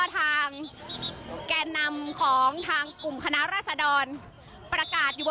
ตรงนี้ถอยนะครับตรงนี้ขอผิวจารจรนะครับ